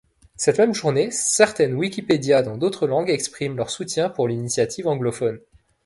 Cette même journée, certaines Wikipédia dans d'autres langues expriment leur soutien pour l'initiative anglophone.